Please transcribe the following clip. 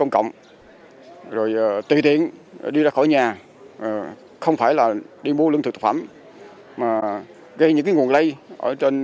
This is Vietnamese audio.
công an tỉnh đã thành lập hai mươi tổ